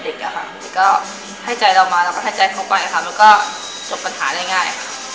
ที่ก็ให้ใจเรามาแล้วก็ให้ใจเขาไปค่ะแล้วก็จบปัญหาได้ง่าย